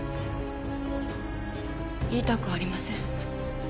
言いたくありません。